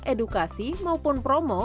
edukasi maupun promo